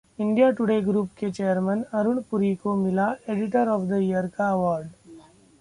India Today group के chairman Arun Puri को मिला 'editor of the year' award